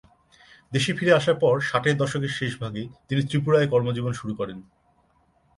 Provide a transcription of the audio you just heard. দেশে ফিরে আসার পর ষাটের দশকের শেষভাগে তিনি ত্রিপুরায় কর্মজীবন শুরু করেন।